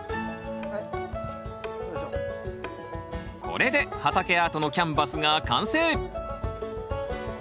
これで畑アートのキャンバスが完成！